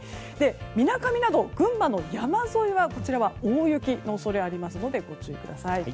みなかみなど群馬の山沿いは大雪の恐れがありますのでご注意ください。